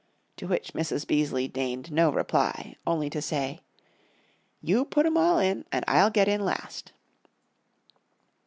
To which Mrs. Beaseley deigned no reply, only to say, "You put 'em all in, and I'll get in last."